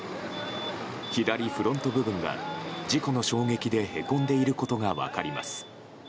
左フロント部分が事故の衝撃でへこんでいることが分かります。